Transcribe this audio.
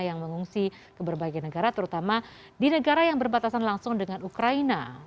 yang mengungsi ke berbagai negara terutama di negara yang berbatasan langsung dengan ukraina